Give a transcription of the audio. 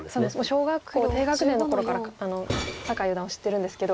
小学校低学年の頃から酒井四段を知ってるんですけど。